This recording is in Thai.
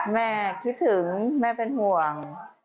แม่คิดถึงแม่เป็นห่วง